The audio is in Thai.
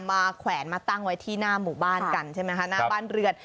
แขวนมาตั้งไว้ที่หน้าหมู่บ้านกันใช่ไหมคะหน้าบ้านเรือน